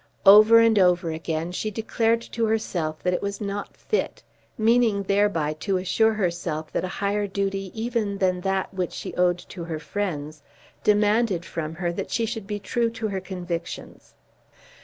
Over and over again she declared to herself that it was not fit, meaning thereby to assure herself that a higher duty even than that which she owed to her friends, demanded from her that she should be true to her convictions.